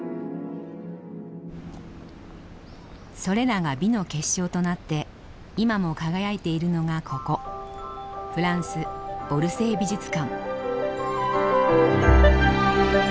それらが美の結晶となって今も輝いているのがここフランスオルセー美術館。